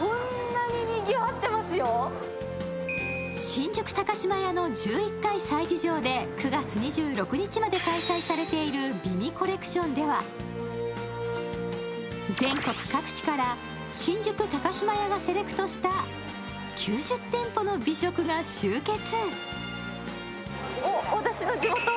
新宿高島屋の１１階催事場で９月２６日まで開催されている美味コレクションでは全国各地から新宿高島屋がセレクトした９０店舗の美食が集結。